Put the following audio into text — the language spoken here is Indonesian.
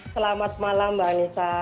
selamat malam mbak nisa